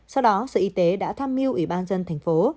sau đó sở y tế đã tham mưu ủy ban dân thành phố